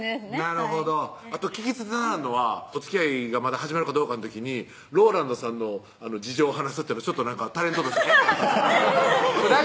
なるほどあと聞き捨てならんのはおつきあいがまだ始まるかどうかの時にローランドさんの事情を話すっていうのはちょっとタレントとしてえっ？